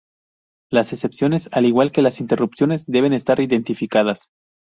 Las excepciones al igual que las interrupciones deben estar identificadas.